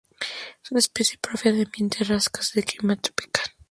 Es una especie propia de ambientes rocosos con clima tropical o subtropical.